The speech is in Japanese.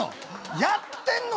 やってんの？